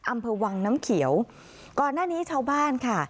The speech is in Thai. อำเภอวังน้ำเขียวก่อนหน้านี้ชาวบ้านค่ะ